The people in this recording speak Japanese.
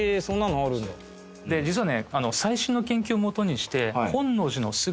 実はね